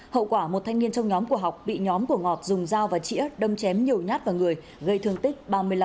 hậu quả một thanh niên trong nhóm của học bị nhóm của ngọt dùng dao và chĩa đâm chém nhiều nhát vào người gây thương tích ba mươi năm